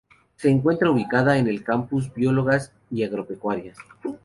Se encuentra ubicada en el Campus Biológicas y Agropecuarias.